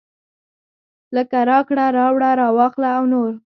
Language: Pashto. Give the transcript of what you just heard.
لکه راکړه راوړه راواخله او نور.